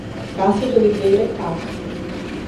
Cassia de Oliveira Castro